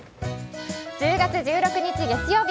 １０月１６日月曜日。